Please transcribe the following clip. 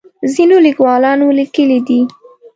ځینو لیکوالانو لیکلي دي.